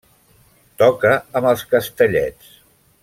Toca amb els Castellets.